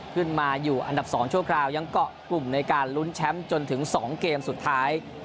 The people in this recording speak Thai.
ขึ้นมาอยู่อันดับ๒ชั่วคราวยังเกาะกลุ่มในการลุ้นแชมป์จนถึง๒เกมสุดท้าย